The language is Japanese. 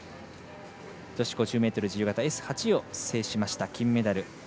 女子５０ｍ自由形Ｓ８を制しました金メダル。